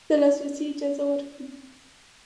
د لاسرسي اجازه ورکړي